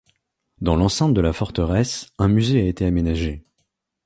Dans l'enceinte de la forteresse, un musée a été aménagé.